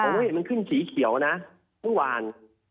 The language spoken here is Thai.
ผมเห็นมันขึ้นสีเขียวนะเมื่อวาน